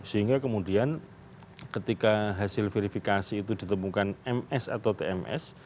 sehingga kemudian ketika hasil verifikasi itu ditemukan ms atau tms